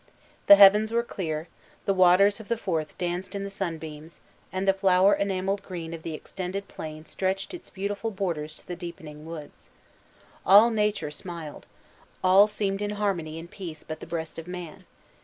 The heavens were clear, the waters of the Forth danced in the sunbeams, and the flower enameled green of the extended plain stretched its beautiful borders to the deepening woods. All nature smiled; all seemed in harmony and peace but the breast of man.